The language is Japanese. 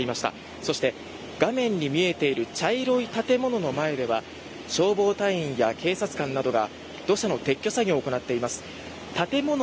そして画面に見えている茶色い建物の前では消防隊員や警察官などが土砂の撤去作業を行っています。